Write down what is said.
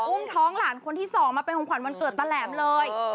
อุ้มท้องหลานคนที่สองมาเป็นของขวัญวันเกิดตะแหลมเลย